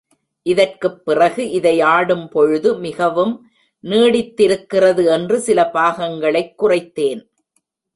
இதற்குப் பிறகு இதை ஆடும்பொழுது மிகவும் நீடித்திருக்கிறது என்று சில பாகங்களாகக் குறைத்தேன்.